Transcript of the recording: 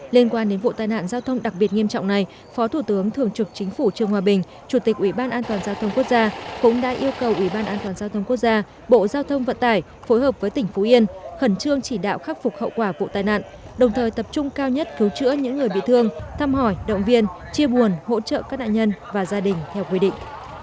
lên quan đến vụ tai nạn giao thông đặc biệt nghiêm trọng này phó thủ tướng thường trực chính phủ trương hoa bình chủ tịch ủy ban an toàn giao thông quốc gia cũng đã yêu cầu ủy ban an toàn giao thông quốc gia bộ giao thông vận tải phối hợp với tỉnh phú yên khẩn trương chỉ đạo khắc phục hậu quả vụ tai nạn đồng thời tập trung cao nhất cứu chữa những người bị thương thăm hỏi động viên chia buồn hỗ trợ các nạn nhân và gia đình theo quy định